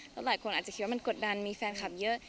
แล้วหลายคนอาจจะคิดว่ามันกดดันมีแฟนคลับเยอะ